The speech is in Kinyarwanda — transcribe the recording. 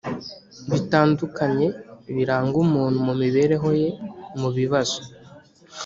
bitandukanye biranga umuntu mu mibereho ye mu bibazo